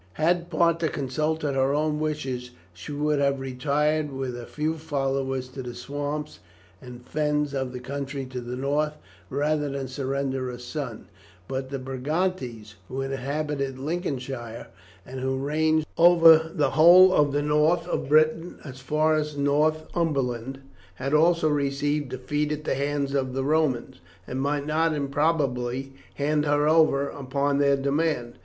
Had Parta consulted her own wishes she would have retired with a few followers to the swamps and fens of the country to the north rather than surrender her son, but the Brigantes, who inhabited Lincolnshire, and who ranged over the whole of the north of Britain as far as Northumberland, had also received a defeat at the hands of the Romans, and might not improbably hand her over upon their demand.